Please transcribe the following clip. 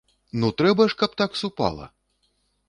Ну трэба ж, каб так супала!